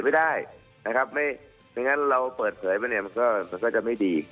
ถ้าเราเปิดผิดเผยก็จะไม่ดี